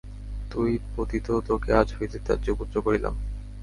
তুই পতিত, তোকে আজ হইতে ত্যাজ্য পুত্র করিলাম।